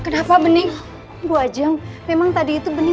saya juga cuma orang berada di kepalanya